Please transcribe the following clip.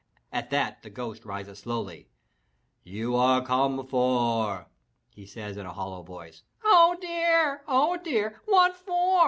At that the ghost rises slowly. "You are come for," he says in a hollow voice. "Oh dear! Oh dear! What for?"